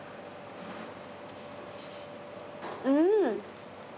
うん！